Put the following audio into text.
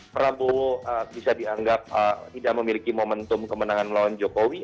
prabowo bisa dianggap tidak memiliki momentum kemenangan melawan jokowi